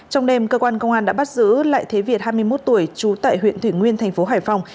trong đêm cơ quan công an đã bắt giữ lại thế việt hai mươi một tuổi trú tại huyện thủy nguyên thành phố hải phòng